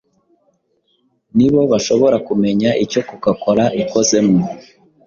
ni bo bashobora kumenya icyo coca Cola ikozemo.